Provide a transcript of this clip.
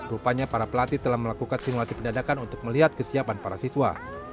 rupanya para pelatih telah melakukan simulasi pendadakan untuk melihat kesiapan para siswa